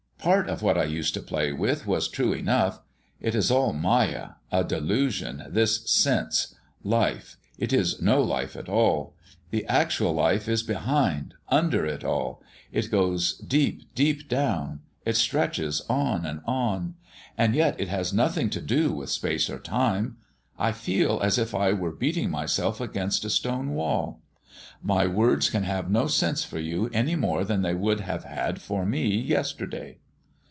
Part of what I used to play with was true enough; it is all Mâyâ, a delusion, this sense life it is no life at all. The actual life is behind, under it all; it goes deep deep down, it stretches on, on and yet it has nothing to do with space or time. I feel as if I were beating myself against a stone wall. My words can have no sense for you any more than they would have had for me yesterday."